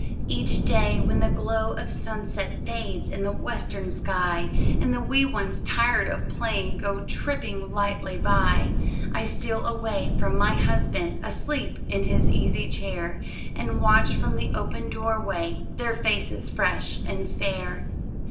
Each day, when the glow of sunset Fades in the western sky, And the wee ones, tired of playing, Go tripping lightly by, I steal away from my husband, Asleep in his easy chair, And watch from the open door way Their faces fresh and fair.